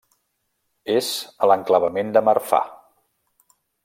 És a l'enclavament de Marfà.